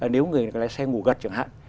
nếu người lái xe ngủ gật chẳng hạn